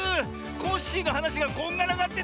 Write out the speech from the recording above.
コッシーのはなしがこんがらがってて。